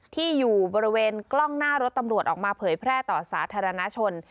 ที่อยู่บริเวณกล้องหน้ารถตำรวจออกมาเผยแพร่ต่อสาธารณชน